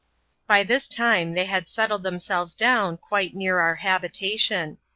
By this time they had settled themselves down quite near our habitation.